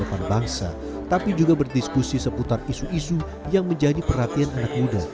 kehidupan bangsa tapi juga berdiskusi seputar isu isu yang menjadi perhatian anak muda